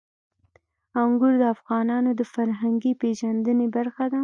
انګور د افغانانو د فرهنګي پیژندنې برخه ده.